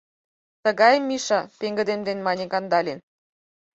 — Тыгайым, Миша, — пеҥгыдемден мане Кандалин.